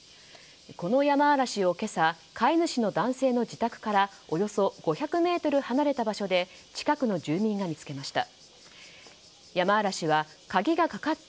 このヤマアラシを今朝、飼い主の男性の自宅からおよそ５００ｍ離れた場所で近くの住民が見つけました。